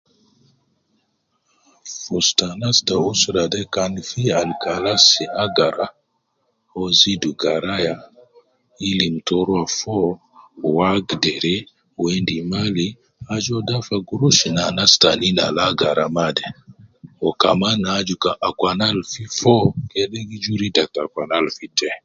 Fu ustu anas al te usra de kan fi al kalas agrara uwo zidu garaya ilim to ruwa foo, wagderi wendi mali, ajuwa dafa gurush na anas taanin al agara maa de o kaman aju akwana al fi foo kede gi juru ida ta akwana al fi tee.